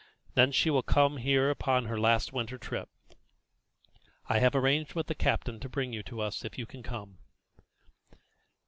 Then she will come here upon her last winter trip. I have arranged with the captain to bring you to us if you can come."